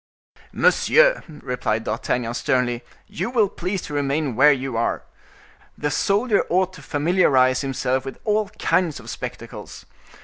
"Monsieur," replied D'Artagnan, sternly, "you will please to remain where you are. The soldier ought to familiarize himself with all kinds of spectacles.